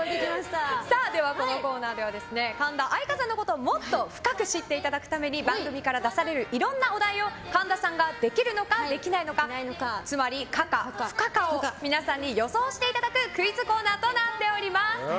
このコーナーでは神田愛花さんのことをもっと深く知っていただくために番組から出されるいろんなお題を、神田さんができるのかできないのかつまり可か不可かを皆さんに予想していただくクイズコーナーとなっています。